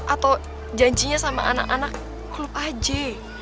atau janjinya sama anak anak klub aj